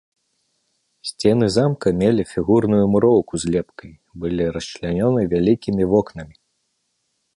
Сцены замка мелі фігурную муроўку з лепкай, былі расчлянёны вялікімі вокнамі.